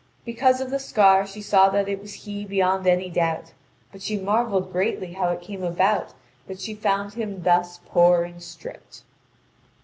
Because of the scar she saw that it was he beyond any doubt; but she marvelled greatly how it came about that she found him thus poor and stripped.